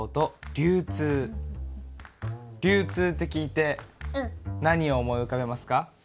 流通って聞いて何を思い浮かべますか？